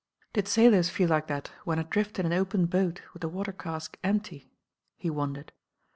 Did sailors feel like that when adrift in an open boat with the water cask empty? He wondered.